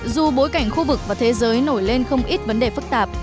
dù bối cảnh khu vực và thế giới nổi lên không ít vấn đề phức tạp